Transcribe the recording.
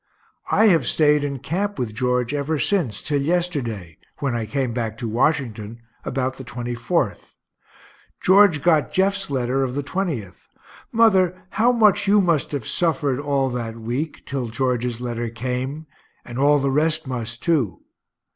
I have staid in camp with George ever since, till yesterday, when I came back to Washington, about the 24th. George got Jeff's letter of the 20th. Mother, how much you must have suffered, all that week, till George's letter came and all the rest must too.